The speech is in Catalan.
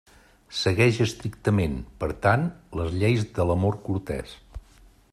Segueix estrictament, per tant, les lleis de l'amor cortès.